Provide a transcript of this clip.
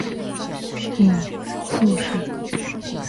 母傅氏。